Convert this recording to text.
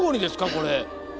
これ。